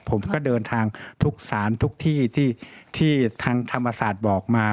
ผมก็เดินทางทุกศาลทุกที่ที่ทางธรรมศาสตร์บอกมา